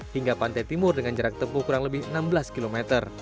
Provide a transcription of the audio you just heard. hingga pantai timur dengan jarak tempuh kurang lebih enam belas km